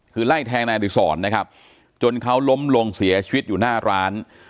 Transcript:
คือไล่แทงนายอดิษรนะครับจนเขาล้มลงเสียชีวิตอยู่หน้าร้าน